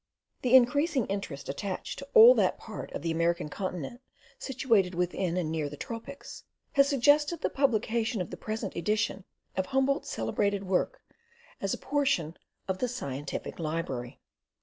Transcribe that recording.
The increasing interest attached to all that part of the American Continent situated within and near the tropics, has suggested the publication of the present edition of Humboldt's celebrated work, as a portion of the SCIENTIFIC LIBRARY.